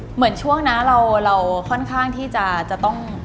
เหมือนช่วงนะเราค่อนข้างที่จะต้อง